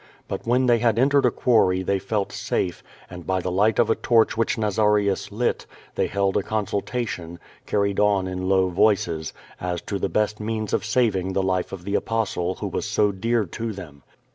But when they had entered a quarry they felt safe, and by the light of a torch which Nazarius lit, they held a consultation, carried on in low voices, as to the best means of saving the life of the Apostle who was so dear to them.